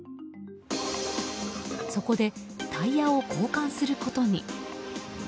そこで、タイヤを交換することに。